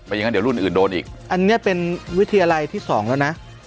อย่างนั้นเดี๋ยวรุ่นอื่นโดนอีกอันนี้เป็นวิทยาลัยที่สองแล้วนะ